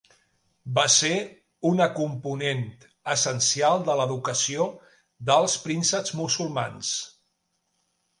Va ser una component essencial de l'educació dels prínceps musulmans.